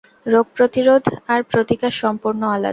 রোগ প্রতিরোধ আর প্রতিকার সম্পূর্ণ আলাদা।